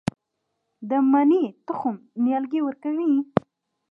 د مڼې تخم نیالګی ورکوي؟